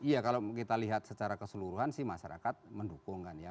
iya kalau kita lihat secara keseluruhan sih masyarakat mendukung kan ya